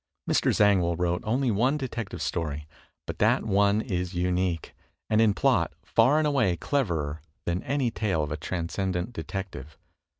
Mr. Zangwill wrote only one Detective Story, but that one is imique; and in plot far and away cleverer than any tale of a Transcendent Detective.